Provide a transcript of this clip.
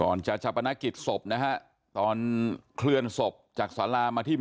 ก่อนจากศาปนกิจศพตอนเคลื่อนศพจากศาลามาที่บริษัท